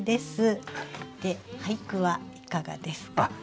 俳句はいかがですか？